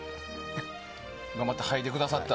頑張って、はいでくださった。